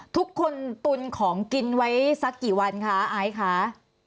ทุกคนตุนของกินไว้สักกี่วันคะไอซ์ค่ะ